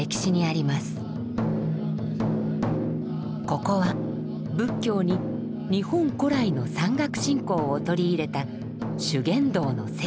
ここは仏教に日本古来の山岳信仰を取り入れた「修験道」の聖地。